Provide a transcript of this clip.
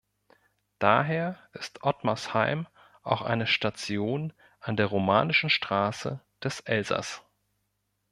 Daher ist Ottmarsheim auch eine Station an der Romanischen Straße des Elsass.